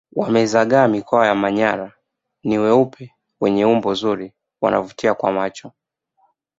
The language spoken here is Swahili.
Wamezagaa mikoa ya manyara ni weupe wenye umbo zuri wanavutia kwa macho